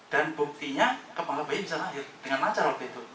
dan buktinya kepala bayi bisa lahir dengan lancar